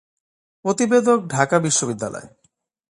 প্রতিবেদকঢাকা বিশ্ববিদ্যালয়